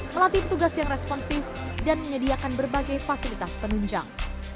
melatih tugas yang responsif dan menyediakan berbagai fasilitas penunjang